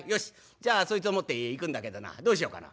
じゃあそいつを持っていくんだけどなどうしようかな？」。